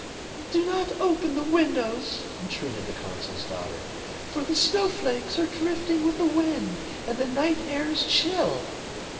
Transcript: "Do not open the windows," entreated the consul's daughter, "for the snow flakes are drifting with the wind, and the night air is chill."